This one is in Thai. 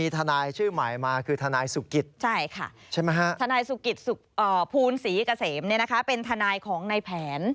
ธนายสุกิจใช่ไหมฮะธนายสุกิจภูนศรีเกษมเนี่ยนะคะเป็นธนายของนายแผน